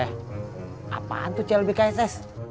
eh apaan tuh clb kss